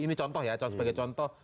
ini contoh ya sebagai contoh